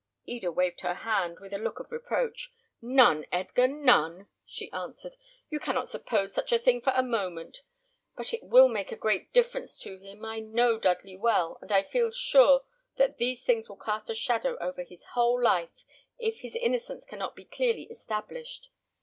Eda waved her hand, with a look of reproach. "None, Edgar, none!" she answered. "You cannot suppose such a thing for a moment; but it will make a great difference to him. I know Dudley well, and I feel sure that these events will cast a shadow over his whole life, if his innocence cannot be clearly established.